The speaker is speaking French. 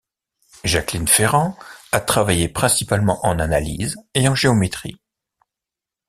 Jacqueline Ferrand a travaillé principalement en analyse et en géométrie.